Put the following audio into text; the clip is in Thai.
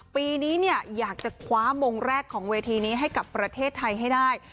ปีนี้อยากจะคว้ามงแรกของเวทีนี้ให้กับประเทศไทยให้ได้